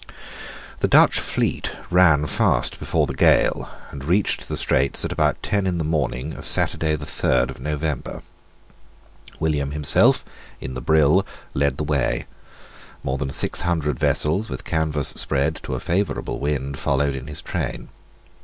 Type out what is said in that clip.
The Dutch fleet ran fast before the gale, and reached the Straits at about ten in the morning of Saturday the third of November. William himself, in the Brill, led the way. More than six hundred vessels, with canvass spread to a favourable wind, followed in his train.